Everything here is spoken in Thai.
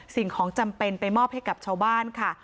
สิ่งของจำเป็นไปมอบให้กับชาวบ้านค่ะ